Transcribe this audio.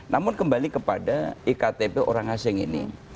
namun kembali kepada iktp orang asing ini